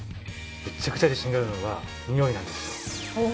めちゃくちゃ自信があるのがにおいなんですよ。